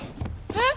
えっ？